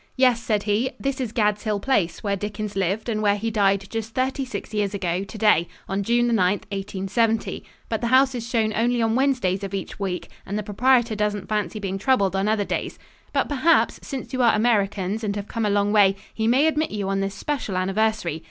"Yes," said he, "this is Gad's Hill Place, where Dickens lived and where he died just thirty six years ago today, on June 9th, 1870; but the house is shown only on Wednesdays of each week and the proprietor doesn't fancy being troubled on other days. But perhaps, since you are Americans and have come a long way, he may admit you on this special anniversary.